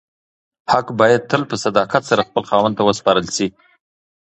حق باید تل په صداقت سره خپل خاوند ته وسپارل شي.